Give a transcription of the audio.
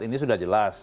ini sudah jelas